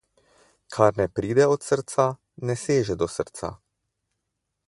Kar ne pride od srca, ne seže do srca.